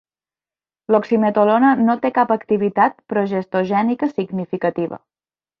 L'oximetolona no té cap activitat progestogènica significativa.